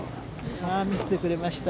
見せてくれました。